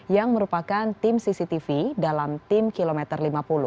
yang merupakan tim cctv dalam tim kilometer lima puluh